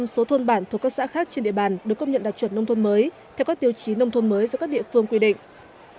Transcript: một trăm linh số thôn bản thuộc các xã khác trên địa bàn được công nhận đạt chuẩn nông thôn mới theo các tiêu chí nông thôn mới do các địa phương quy định